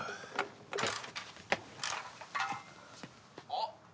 あっ！